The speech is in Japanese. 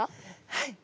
はい。